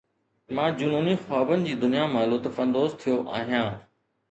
مان جنوني خوابن جي دنيا مان لطف اندوز ٿيو آهيان